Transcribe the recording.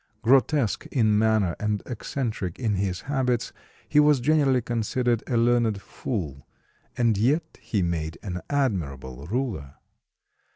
Grotesque in manner and eccentric in his habits, he was generally considered a learned fool; and yet he made an admirable ruler.